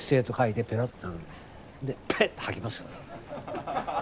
でペッ！って吐きますよ。